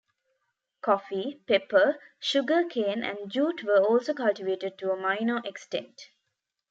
Coffee, pepper, sugarcane and jute were also cultivated to a minor extent.